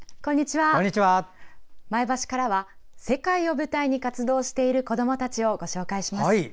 前橋からは世界を舞台に活動している子どもたちをご紹介します。